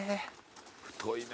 太いね。